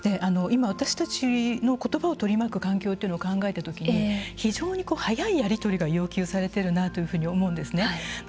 今私たちの言葉を取り巻く環境というのを考えた時に非常に早いやり取りが要求されてるなというふうに思うんですね。